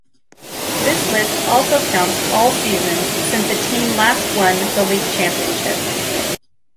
This list also counts all seasons since a team last won the league championship.